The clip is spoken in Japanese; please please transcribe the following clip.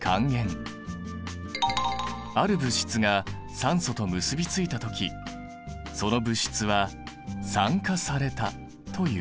ある物質が酸素と結びついた時その物質は「酸化された」という。